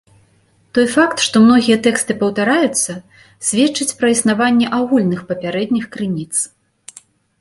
Той факт, што многія тэксты паўтараюцца, сведчыць пра існаванне агульных папярэдніх крыніц.